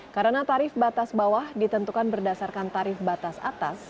karena tarif batas bawah ditentukan berdasarkan tarif batas atas